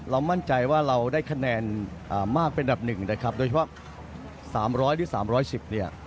มั่นใจว่าเราได้คะแนนมากเป็นดับหนึ่งนะครับโดยเฉพาะ๓๐๐หรือ๓๑๐เนี่ย